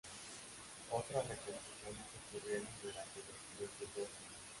Otras reconstrucciones ocurrieron durante los siguientes dos siglos.